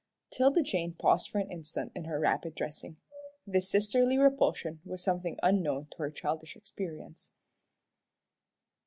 'Tilda Jane paused for an instant in her rapid dressing. This sisterly repulsion was something unknown to her childish experience.